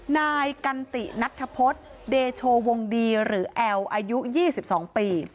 นายกันตินัทธพฤษเดโชวงดีหรือแอลอายุ๒๒ปี